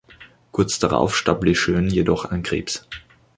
Kurz darauf starb Lejeune jedoch an Krebs.